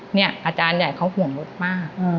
อาจารย์ใหญ่เขาห่วงรถมาก